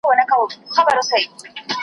د خپل ځان او کورنۍ لپاره .